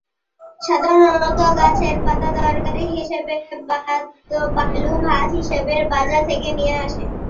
সাধারনত গাছের পাতা তরকারি হিসেবে, বালু ভাত হিসেবে বাজার থেকে নিয়ে আসে।